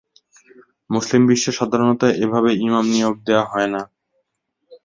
মুসলিম বিশ্বে সাধারণত এভাবে ইমাম নিয়োগ দেয়া হয়না।